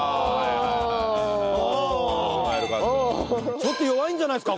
ちょっと弱いんじゃないですか？